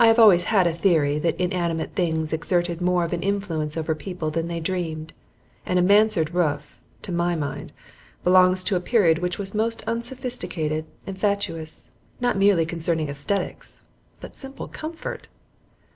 I have always had a theory that inanimate things exerted more of an influence over people than they dreamed, and a mansard roof, to my mind, belongs to a period which was most unsophisticated and fatuous, not merely concerning aesthetics, but simple comfort.